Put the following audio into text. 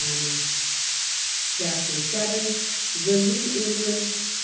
238 CHAPTER VII. THE NEW ENGLAND.